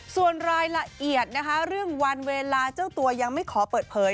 ส่วนรายละเอียดนะคะเรื่องวันเวลาเจ้าตัวยังไม่ขอเปิดเผย